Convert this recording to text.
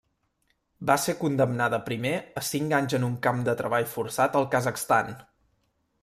Va ser condemnada primer a cinc anys en un camp de treball forçat al Kazakhstan.